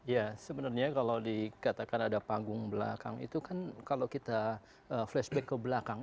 ya sebenarnya kalau dikatakan ada panggung belakang itu kan kalau kita flashback ke belakang